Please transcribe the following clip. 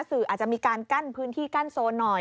สื่ออาจจะมีการกั้นพื้นที่กั้นโซนหน่อย